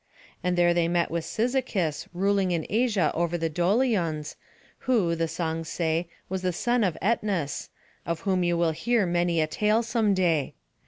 And there they met with Cyzicus, ruling in Asia over the Dolions, who, the songs say, was the son of Æneas, of whom you will hear many a tale some day.